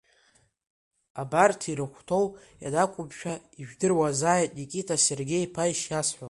Абарҭ ирыхәҭоу ианақәымшәа ижәдыруазааит, Никита Сергеи-иԥа ишиасҳәо.